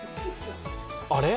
あれ？